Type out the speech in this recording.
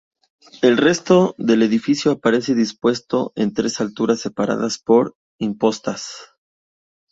El resto del edificio aparece dispuesto en tres alturas separadas por impostas.